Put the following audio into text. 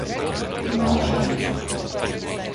Malženice